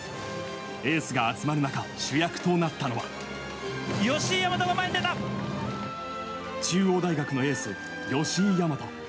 エースが集まる中主役となったのは中央大学のエース吉居大和。